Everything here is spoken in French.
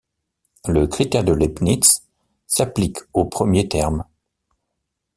Le critère de Leibniz s'applique au premier terme.